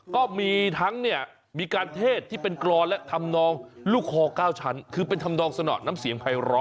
ก็มีทั้งเนี่ยมีการเทศที่เป็นกรอนและทำนองลูกคอ๙ชั้นคือเป็นทำนองสนอดน้ำเสียงภัยร้อ